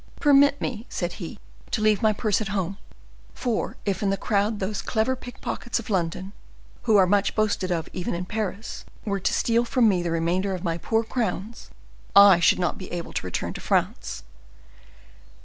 "Permit me," said he, "to leave my purse at home; for if in the crowd those clever pickpockets of London, who are much boasted of, even in Paris, were to steal from me the remainder of my poor crowns, I should not be able to return to France.